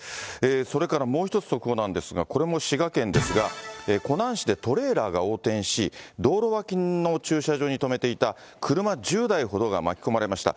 それからもう一つ速報なんですが、これも滋賀県ですが、湖南市でトレーラーが横転し、道路脇の駐車場に止めていた車１０台ほどが巻き込まれました。